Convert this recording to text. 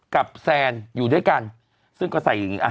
แซนอยู่ด้วยกันซึ่งก็ใส่อย่างนี้อ่ะ